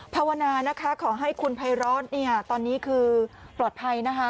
ภาวนานะคะขอให้คุณภัยร้อนตอนนี้คือปลอดภัยนะคะ